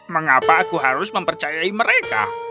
mengapa aku harus mempercayai mereka